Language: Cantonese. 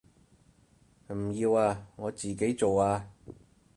唔要啊，我自己做啊